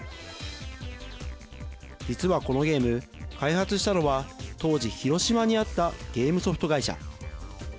実はこのゲーム、開発したのは当時、広島にあったゲームソフト会社。